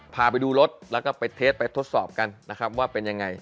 พาไปดูรถแล้วก็ไปเทสไปทดสอบกันนะครับว่าเป็นยังไง